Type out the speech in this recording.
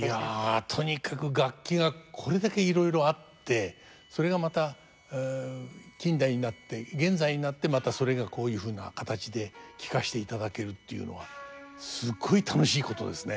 とにかく楽器がこれだけいろいろあってそれがまた近代になって現在になってまたそれがこういうふうな形で聴かしていただけるっていうのはすごい楽しいことですね。